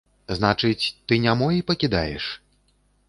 Значыць, ты не мой, пакідаеш?